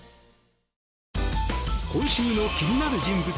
今週の気になる人物